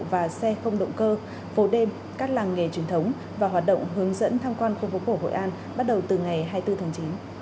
và xe không động cơ phố đêm các làng nghề truyền thống và hoạt động hướng dẫn tham quan khu phố cổ hội an bắt đầu từ ngày hai mươi bốn tháng chín